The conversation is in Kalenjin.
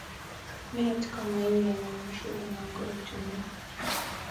Meet komaingen kenyisiek anan ko etunet